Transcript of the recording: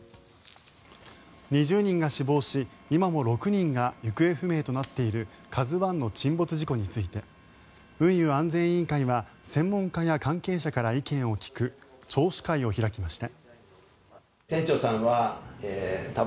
２０人が死亡し今も６人が行方不明となっている「ＫＡＺＵ１」の沈没事故について運輸安全委員会は専門家や関係者から意見を聞く聴取会を開きました。